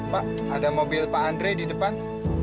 pak ada mobil pak andre di depan